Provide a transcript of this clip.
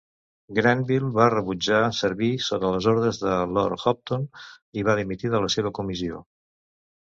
Grenville va rebutjar servir sota les ordres de Lord Hopton i va dimitir de la seva comissió.